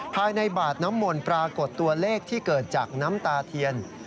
ภายในบาดน้ำมนต์ปรากฏตัวเลขที่เกิดจากน้ำตาเทียน